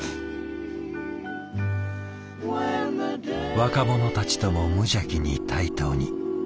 若者たちとも無邪気に対等に。